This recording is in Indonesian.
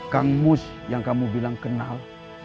kang mus yang kamu bilang kenal